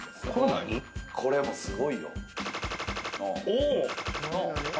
これすごいよ。